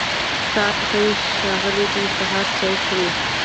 سهار پخير ښاغلی دی سهار چای خوری